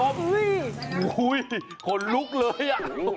โอ้โหขนลุกเลย